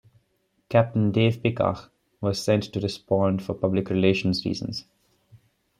Captain Dave Pekach was sent to respond for public relations reasons.